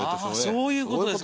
ああそういうことですか。